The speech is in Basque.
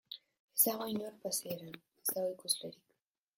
Ez dago inor pasieran, ez dago ikuslerik.